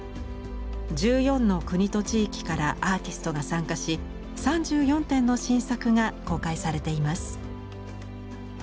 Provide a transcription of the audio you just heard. １４の国と地域からアーティストが参加し３４点の新作が公開されています。